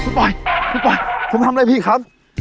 คุณปล่อยคุณปล่อยผมทำอะไรพี่ครับ